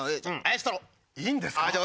いいんですか？